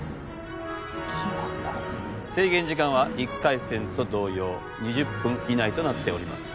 制限時間は１回戦と同様２０分以内となっております。